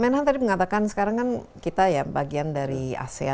menhan tadi mengatakan sekarang kan kita ya bagian dari asean